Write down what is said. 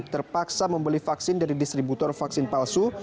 terpaksa membeli vaksin dari distributor vaksin palsu